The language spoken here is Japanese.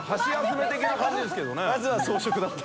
まずは草食だった。